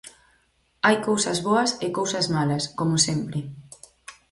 Hai cousas boas e cousas malas, como sempre.